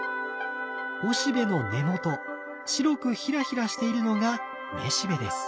おしべの根元白くヒラヒラしているのがめしべです。